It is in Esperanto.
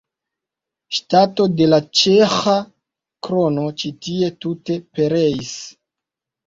Ŝtato de la Ĉeĥa krono ĉi tie tute pereis.